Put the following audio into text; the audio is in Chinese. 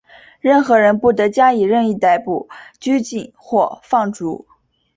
任何人不得加以任意逮捕、拘禁或放逐。